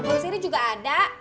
di sini juga ada